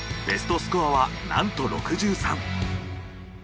ベストスコアはなんと６３。